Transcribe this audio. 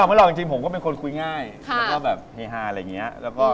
ไม่หรอกจริงผมก็เป็นคนคุยง่ายแล้วก็แบบเฮฮาอะไรอย่างนี้